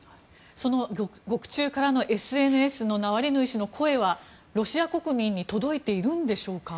その獄中からのＳＮＳのナワリヌイ氏の声はロシア国民に届いているんでしょうか。